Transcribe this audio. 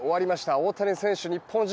大谷選手、日本人